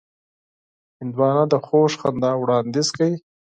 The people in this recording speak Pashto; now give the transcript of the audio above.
هندوانه د خوږ خندا وړاندیز کوي.